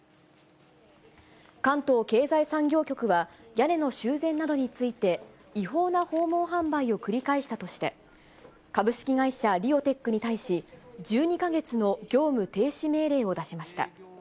関東経済産業局は、屋根の修繕などについて、違法な訪問販売を繰り返したとして、株式会社リオテックに対し、１２か月の業務停止命令を出しました。